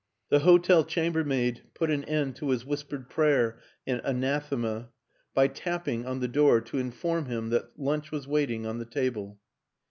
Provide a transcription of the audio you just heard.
The hotel chambermaid put an end to his whis pered prayer and anathema by tapping on the door to inform him that lunch was waiting on the table.